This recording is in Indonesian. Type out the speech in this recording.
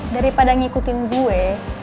daripada ngikutin gue